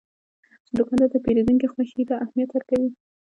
دوکاندار د پیرودونکي خوښي ته اهمیت ورکوي.